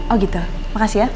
oh gitu makasih ya